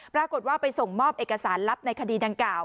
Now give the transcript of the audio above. ปรากฏว่าไปส่งมอบเอกสารลับในคดีดังกล่าว